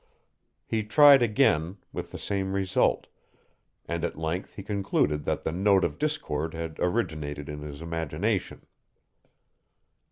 He tried again, with the same result, and at length he concluded that the note of discord had originated in his imagination.